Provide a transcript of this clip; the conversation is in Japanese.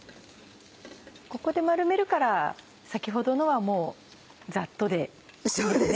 ここで丸めるから先ほどのはもうざっとでいいですね。